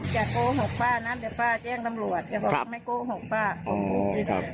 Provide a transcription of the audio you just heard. เจ้าป้าจะแย่งตำรวจ